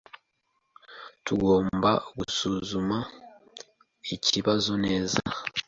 Tugomba gusuzuma ikibazo neza.